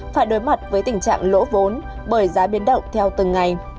phải đối mặt với tình trạng lỗ vốn bởi giá biến động theo từng ngày